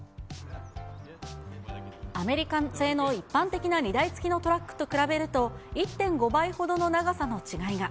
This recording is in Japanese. アメリカ製の一般的な荷台付きのトラックと比べると、１．５倍ほどの長さの違いが。